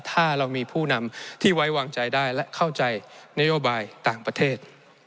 ถ้าเรามีผู้นำที่ไว้วางใจได้และเข้าใจนโยบายต่างประเทศ